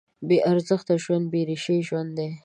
بېارزښته ژوند بېریښې ژوند دی.